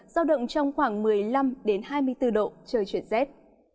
sao động trong khoảng một mươi năm đến hai mươi bốn độ trời chuyển rét